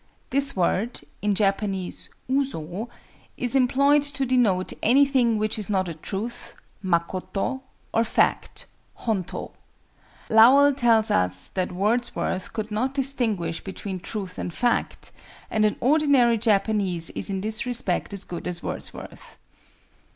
This word (in Japanese uso) is employed to denote anything which is not a truth (makoto) or fact (honto). Lowell tells us that Wordsworth could not distinguish between truth and fact, and an ordinary Japanese is in this respect as good as Wordsworth.